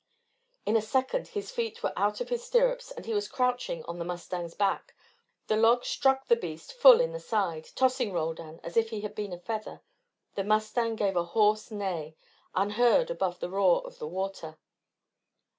In a second his feet were out of his stirrups and he was crouching on the mustang's back. The log struck the beast full in the side, tossing Roldan as if he had been a feather. The mustang gave a hoarse neigh, unheard above the roar of the water.